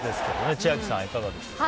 千秋さん、いかがでしょうか？